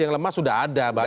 yang lemas sudah ada banyak